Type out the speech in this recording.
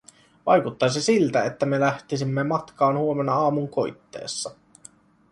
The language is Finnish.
Vaikuttaisi siltä, että me lähtisimme matkaan huomenna aamunkoitteessa.